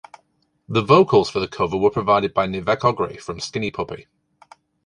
The vocals for the cover were provided by Nivek Ogre from Skinny Puppy.